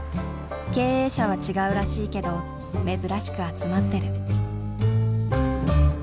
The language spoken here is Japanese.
経営者は違うらしいけど珍しく集まってる。